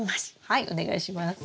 はいお願いします。